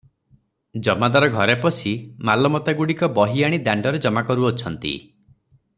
ଜମାଦାର ଘରେ ପଶି ମାଲମତାଗୁଡ଼ିକ ବହିଆଣି ଦାଣ୍ତରେ ଜମା କରୁଅଛନ୍ତି ।